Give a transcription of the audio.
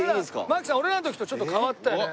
槙さん俺らの時とちょっと変わったよね。